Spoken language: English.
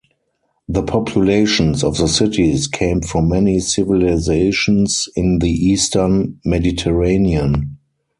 The populations of the cities came from many civilizations in the eastern Mediterranean.